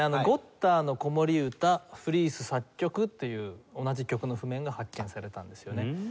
「ゴッターの子守歌フリース作曲」という同じ曲の譜面が発見されたんですよね。